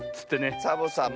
サボさん